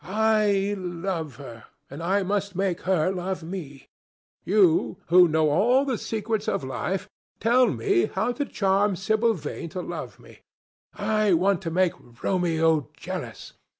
I love her, and I must make her love me. You, who know all the secrets of life, tell me how to charm Sibyl Vane to love me! I want to make Romeo jealous.